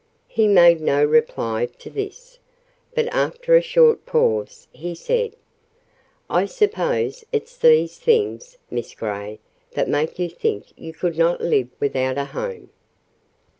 He made no reply to this: but after a short pause, he said,—"I suppose it's these things, Miss Grey, that make you think you could not live without a home?"